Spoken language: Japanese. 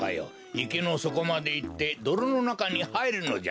いけのそこまでいってどろのなかにはいるのじゃ。